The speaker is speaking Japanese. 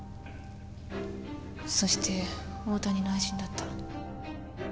そして大谷の愛人だった。